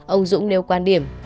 ông dũng nêu quan điểm